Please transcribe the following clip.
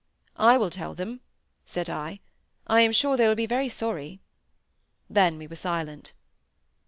"I will tell them," said I. "I am sure they will be very sorry." Then we were silent.